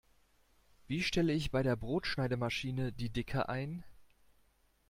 Wie stelle ich bei der Brotschneidemaschine die Dicke ein?